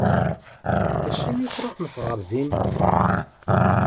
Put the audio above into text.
Acimi i tṛuḥemt ɣer din?